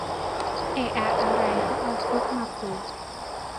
เอะอะอะไรก็เอาคุกมาขู่